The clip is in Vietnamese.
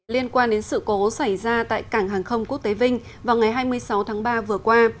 liên quan đến sự cố xảy ra tại cảng hàng không quốc tế vinh vào ngày hai mươi sáu tháng ba vừa qua